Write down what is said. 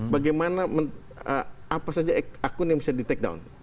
bagaimana apa saja akun yang bisa di take down